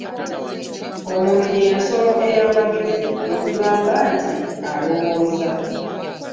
Omuntu ye nsolo ey'amagezi, kwe kugamba nti: Alowooza.